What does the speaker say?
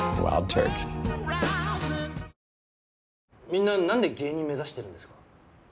みんななんで芸人目指してるんですか？